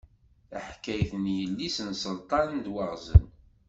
Taḥkayt n yelli-s n Selṭan d waɣzen.